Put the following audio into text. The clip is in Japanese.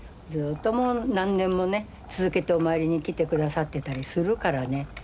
ずっともう何年もね続けてお参りに来てくださってたりするからね。